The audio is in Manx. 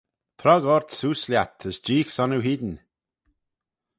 Trog ort seose lhiat as jeeagh son oo hene.